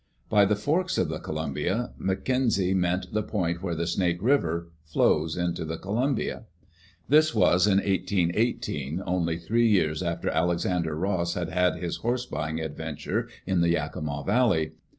By the Forks of the Columbia, McKenzie meant the point where the Snake River flows into the Columbia. This was in 1818, only three years after Alexander Ross had had his horse buying adventure in the Yakima Valley.